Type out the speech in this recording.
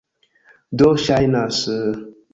Do, ŝajnas...